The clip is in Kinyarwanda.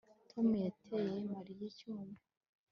Tom yateye Mariya icyuma